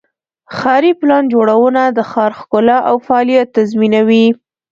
ښاري پلان جوړونه د ښار ښکلا او فعالیت تضمینوي.